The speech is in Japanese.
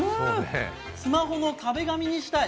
スマホの壁紙にしたい。